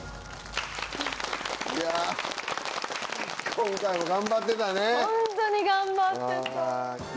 今回も頑張ってたね。